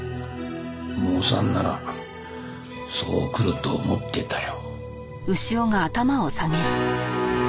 モーさんならそう来ると思ってたよ。